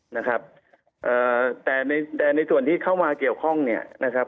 นะครับเอ่อแต่ในแต่ในส่วนที่เข้ามาเกี่ยวข้องเนี่ยนะครับ